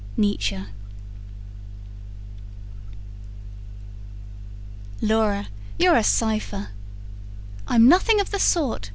NIETZSCHE "Laura, you're a cipher!" "I'm nothing of the sort!"